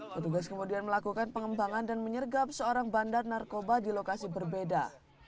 petugas kemudian melakukan pengembangan dan menyergap seorang bandar narkoba di lokasi berbeda